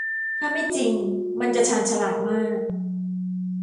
ถ้าไม่จริง มันจะชาญฉลาดมาก